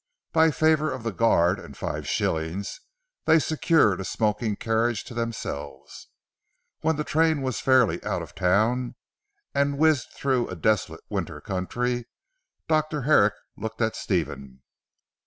By favour of the guard and five shillings they secured a smoking carriage to themselves. When the train was fairly out of the town, and whizzed through a desolate winter country, Dr. Herrick looked at Stephen.